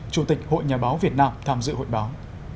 chủ tịch hội nhà báo việt nam tham dự hội báo